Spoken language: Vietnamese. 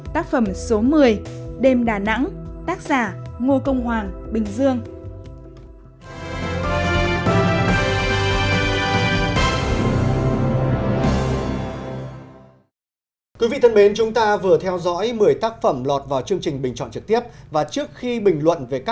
tác phẩm số một mươi đêm đà nẵng tác giả ngô công hoàng bình dương